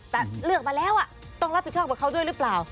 แต่เลือกมาแล้วต้องรับผิดชอบกับเขาด้วยหรือเปล่า